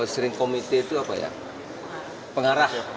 sering komite itu apa ya pengarah